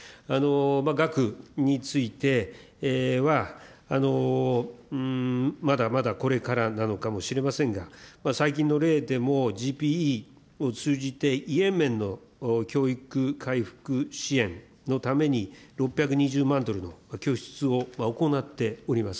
額については、まだまだこれからなのかもしれませんが、最近の例でもＧＰＥを通じてイエメンの教育回復支援のために６２０万ドルの拠出を行っております。